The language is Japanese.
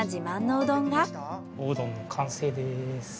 おうどんの完成です。